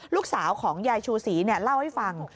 ลูกสาวของยายชูศรีเนี่ยเล่าให้ฟัง